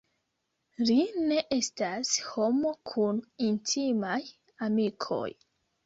Li ne estas homo kun intimaj amikoj.